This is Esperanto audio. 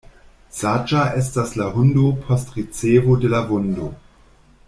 Saĝa estas la hundo post ricevo de la vundo.